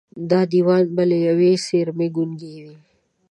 دا دېوان به له ېوې څېرمې ګونګي وي